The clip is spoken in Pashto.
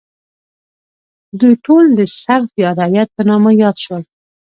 دوی ټول د سرف یا رعیت په نامه یاد شول.